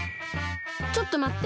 ちょっとまって！